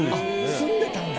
住んでたんだ。